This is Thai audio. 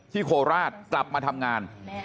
โคราชกลับมาทำงาน